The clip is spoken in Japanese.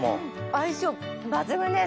相性抜群です。